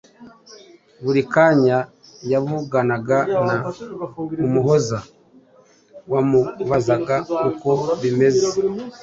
buri kanya yavuganaga na Umuhoza wamubazaga uko bimeze.